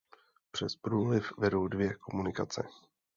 Přes průliv vedou dvě komunikace.